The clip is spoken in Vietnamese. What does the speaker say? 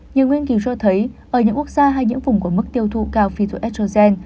nhiều nghiên cứu cho thấy ở những quốc gia hay những vùng có mức tiêu thụ cao phyto estrogen